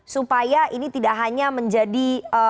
supaya ini tidak hanya menjadi